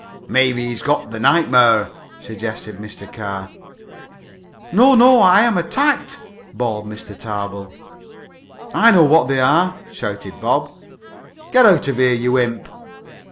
"Maybe he's got the nightmare," suggested Mr. Carr. "No, no, I am attacked!" bawled Mr. Tarbill. "I know what they are!" shouted Bob. "Get out of here, you imp!"